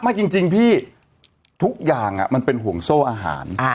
ไม่จริงพี่ทุกอย่างมันเป็นห่วงโซ่อาหาร